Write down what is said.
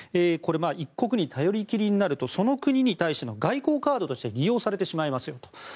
これ、一国に頼りきりになるとその国に対しての外交カードとして利用されてしまいますと。